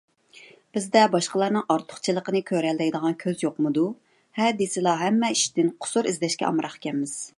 بىزدە باشقىلارنىڭ ئارتۇقچىلىقىنى كۆرەلەيدىغان كۆز يوقمىدۇ؟ ھە دېسىلا ھەممە ئىشتىن قۇسۇر ئىزدەشكە ئامراقكەنمىز.